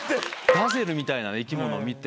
ガゼルみたいな生き物見て。